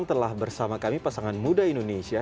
telah bersama kami pasangan muda indonesia